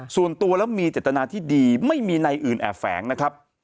ส่วนตัวแล้วมีเจตนาที่ดีไม่มีในอื่นแอบแฝงนะครับ